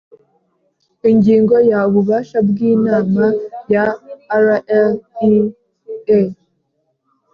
Ingingo ya ububasha bw inama ya rlea